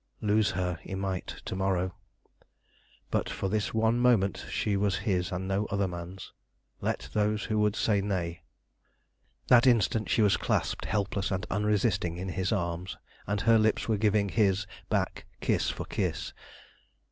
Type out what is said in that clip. Lose her he might to morrow, but for this one moment she was his and no other man's, let those who would say nay. That instant she was clasped helpless and unresisting in his arms, and her lips were giving his back kiss for kiss.